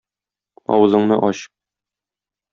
Авызыңны ач.